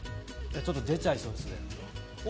ちょっと出ちゃいそうですね。